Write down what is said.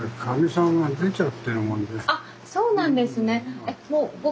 あっそうなんですね。